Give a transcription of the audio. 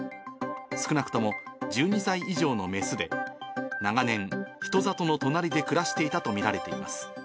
少なくとも１２歳以上の雌で、長年、人里の隣で暮らしていたと見られています。